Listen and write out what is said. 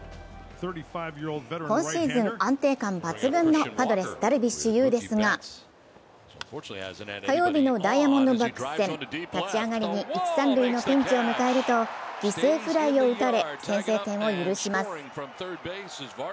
今シーズン安定感抜群のパドレス、ダルビッシュ有ですが、火曜日のダイヤモンドバックス戦立ち上がりに一・三塁のピンチを迎えると犠牲フライを打たれ、先制点を許します。